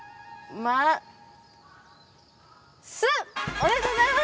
おめでとうございます！